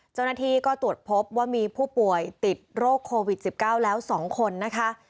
เจ้าหน้าที่ก็ตรวจพบว่ามีผู้ป่วยติดโรคโควิด๑๙แล้ว๒คนนะคะ